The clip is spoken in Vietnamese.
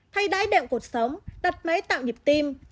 thay đáy đệm cuộc sống đặt máy tạo nhịp tim